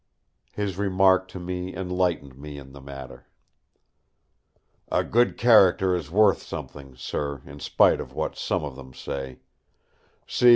His remark to me enlightened me in the matter: "A good character is worth something, sir, in spite of what some of them say.